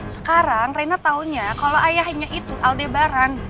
sekarang reina taunya kalau ayahnya itu aldebaran